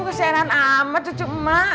kesianan amat cucu emak